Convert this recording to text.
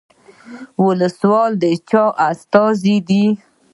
ولسوال د چا استازی دی؟